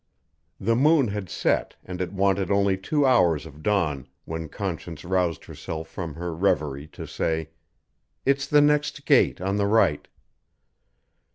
The moon had set and it wanted only two hours of dawn when Conscience roused herself from her revery to say, "It's the next gate on the right."